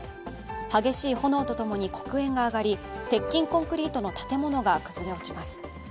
激しい炎とともに黒煙が上がり鉄筋コンクリートの建物が崩れ落ちます。